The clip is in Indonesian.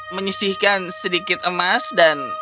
menyisihkan sedikit emas dan